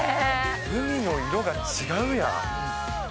海の色が違うや。